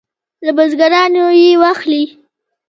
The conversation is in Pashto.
له بزګرانو یې واخلي.